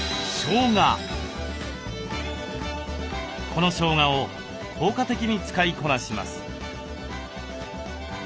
このしょうがを効果的に使いこなします。